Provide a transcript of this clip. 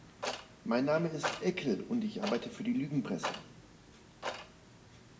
Mein Name ist Eckel und ich arbeite für die Lügenpresse.